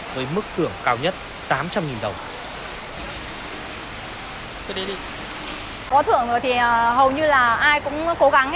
có thưởng rồi thì hầu như là ai cũng cố gắng